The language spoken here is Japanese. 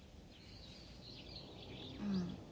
うん。